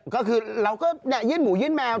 ก็คือเราก็ยื่นหมูยื่นแมว